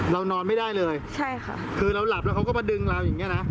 นอนไม่ได้เลยใช่ค่ะคือเราหลับแล้วเขาก็มาดึงเราอย่างเงี้นะ